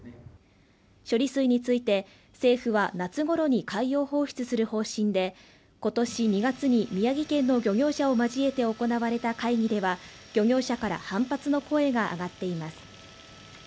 処理水について、政府は夏頃に海洋放出する方針で、今年２月に宮城県の漁業者を交えて行われた会議では、漁業者から反発の声が上がっています。